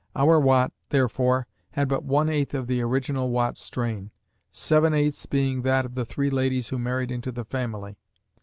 Our Watt, therefore, had but one eighth of the original Watt strain; seven eighths being that of the three ladies who married into the family.